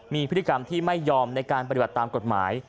มีพฤติกรรมที่ไม่ยอมในการปฏิบัติตามกฎหมาย